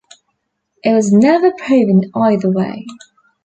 It was never proven either way.